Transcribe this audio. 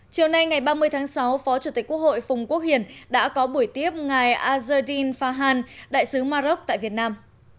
chiều nay ngày ba mươi tháng sáu phó chủ tịch quốc hội phùng quốc hiền đã có buổi tiếp ngài azadine farhan đại sứ maroc tại việt nam